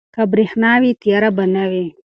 که برښنا وي، تیاره به نه وي.